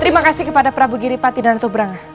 terima kasih kepada prabu giripati dan ratu brangah